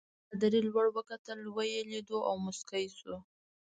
پادري لوړ وکتل ویې لیدو او مسکی شو.